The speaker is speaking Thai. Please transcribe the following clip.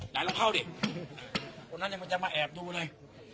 นายลองเข้าดิวันนั้นยังไม่จะมาแอบดูเลย